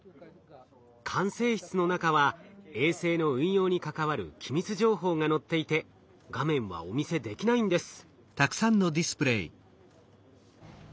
管制室の中は衛星の運用に関わる機密情報が載っていて画面はお見せできないんです。